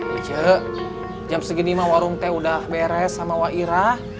jam segini mah warung teh udah beres sama wairah